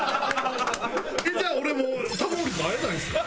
じゃあ俺もう玉森君会えないんですか？